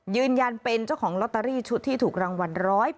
ยืนยันเป็นเจ้าของลอตเตอรี่ชุดที่ถูกรางวัล๑๘